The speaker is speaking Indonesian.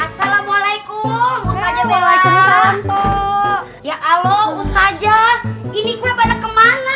assalamualaikum ustazah waalaikumsalam ya halo ustazah ini gue pada kemana